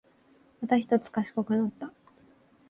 またひとつ賢くなった